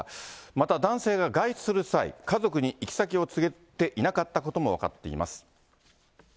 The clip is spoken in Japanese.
また男性が外出する際、家族に行き先を告げていなかったことも分かっています。